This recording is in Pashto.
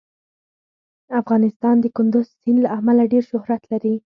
افغانستان د کندز سیند له امله ډېر شهرت لري.